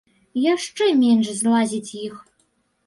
Яшчэ менш злазіць іх.